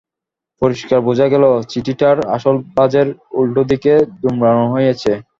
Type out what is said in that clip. পরিস্কার বোঝা গেল চিঠিটার আসল ভাজের উল্টোদিকে দোমড়ানো হয়েছে।